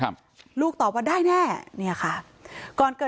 แต่มันถือปืนมันไม่รู้นะแต่ตอนหลังมันจะยิงอะไรหรือเปล่าเราก็ไม่รู้นะ